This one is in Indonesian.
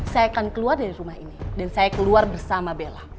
saya akan keluar dari rumah ini dan saya keluar bersama bella